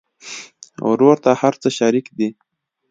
ورور ته هر څه شريک دي.